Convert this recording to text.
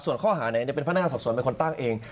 ส่วนข้อหาจะเป็นพนักงานสอบสวนเป็นคนตั้งเอง